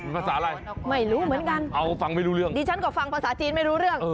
ภาษาอะไรเอาตัวครับดีฉันก็ฟังภาษาจีนไม่รู้เรื่อง